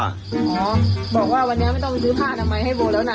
ทำไมล่ะทำไมล่ะวันนี้ไม่ต้องไปซื้อผ้าน้ำไม้ให้โบแล้วนะ